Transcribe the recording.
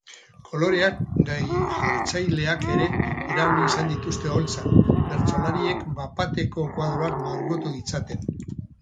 Koloreak gai-jartzaileek ere erabili izan dituzte oholtzan, bertsolariek bapateko koadroak margotu ditzaten.